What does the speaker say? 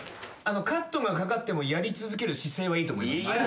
カットがかかってもやり続ける姿勢はいいと思います。